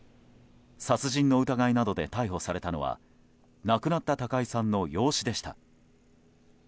殺人の疑いなどで逮捕されたのは亡くなった高井さんの養子でした。